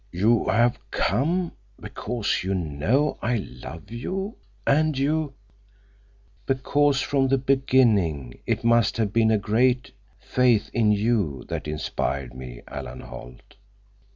"You have come—because you know I love you, and you—" "Because, from the beginning, it must have been a great faith in you that inspired me, Alan Holt."